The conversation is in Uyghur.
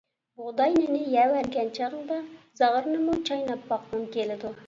بۇغداي نېنى يەۋەرگەن چېغىڭدا زاغرىنىمۇ چايناپ باققۇڭ كېلىدۇ.